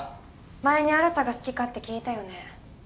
前に新が好きかって聞いたよね。